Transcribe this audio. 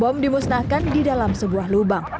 bom dimusnahkan di dalam sebuah lubang